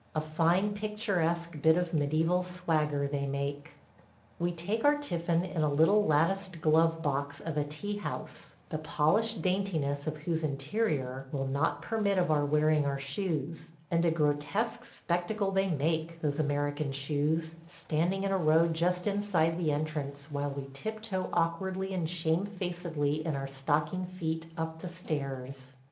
A fine, picturesque bit of mediæval swagger they make. ... We take our tiffin in a little latticed glove box of a tea house, the polished daintiness of whose interior will not permit of our wearing our shoes; and a grotesque spectacle they make – those American shoes, standing in a row just inside the entrance while we tiptoe awkwardly and shamefacedly in our stocking feet up the stairs.